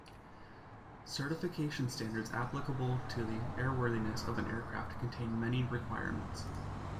Certification standards applicable to the airworthiness of an aircraft contain many requirements.